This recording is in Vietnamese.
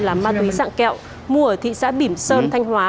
là ma túy dạng kẹo mua ở thị xã bỉm sơn thanh hóa